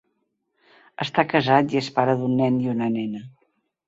Està casat i és pare d'un nen i una nena.